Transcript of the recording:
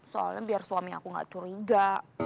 soalnya biar suami aku gak curiga